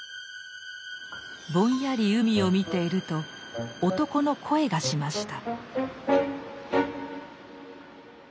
ぼんやり海を見ていると男の声がしました。